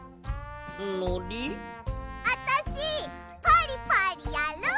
あたしパリパリやる！